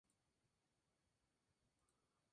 La superficie de la isla es principalmente de grava.